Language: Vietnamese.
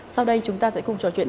sau đây chúng ta sẽ cùng trò chuyện